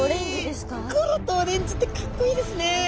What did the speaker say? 黒とオレンジってかっこいいですね！